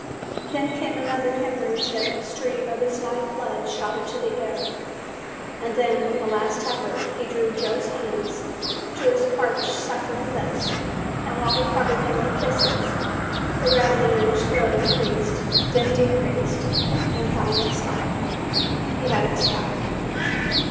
Then came another hemorrhage and a stream of his life blood shot into the air and then, with a last effort, he drew Joe's hands to his parched, suffering lips, and while he covered them with kisses, the rattling in his throat increased, then decreased, and finally stopped he had expired.